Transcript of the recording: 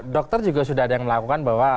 dokter juga sudah ada yang melakukan bahwa